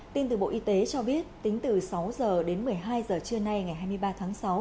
tin từ bộ y tế cho biết tính từ sáu h đến một mươi hai giờ trưa nay ngày hai mươi ba tháng sáu